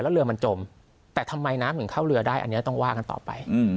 แล้วเรือมันจมแต่ทำไมน้ำถึงเข้าเรือได้อันนี้ต้องว่ากันต่อไป